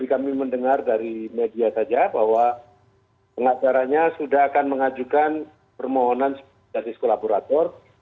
kami mendengar dari media saja bahwa pengacaranya sudah akan mengajukan permohonan justice kolaborator